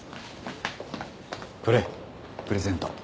これプレゼント。